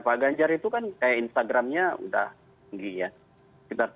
pak ganjar itu kan kayak instagramnya sudah tinggi ya sekitar tiga empat juta